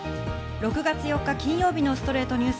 ６月４日、金曜日の『ストレイトニュース』。